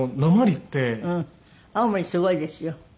青森すごいですよ。